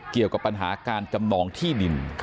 เกี่ยวกับปัญหาการจำนองที่ดิน